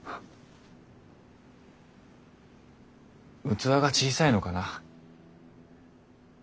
器が小さいのかな。